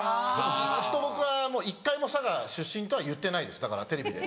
ずっと僕は１回も佐賀出身とは言ってないですだからテレビで。